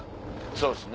そうっすね。